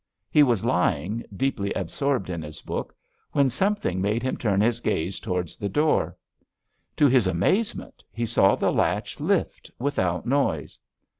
He was lying, deeply absorbed in his book, when something made him turn his gaze towards the door. To his amazement, he saw the latch lift without noise.